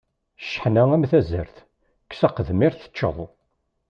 Cceḥna am tazart, kkes aqedmiṛ teččeḍ.